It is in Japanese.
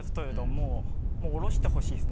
もうおろしてほしいです。